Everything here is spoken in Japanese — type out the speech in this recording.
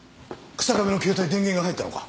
日下部の携帯電源が入ったのか？